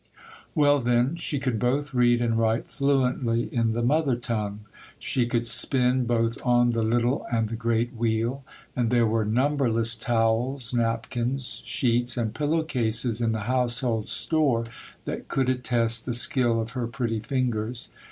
Well, then, she could both read and write fluently in the mother tongue. She could spin both on the little and the great wheel, and there were numberless towels, napkins, sheets, and pillow cases in the household store that could attest the skill of her pretty fingers.